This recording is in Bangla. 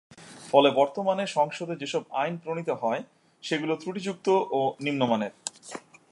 ফলে বর্তমানে সংসদে যেসব আইন প্রণীত হয়, সেগুলো ত্রুটিযুক্ত ও নিম্নমানের।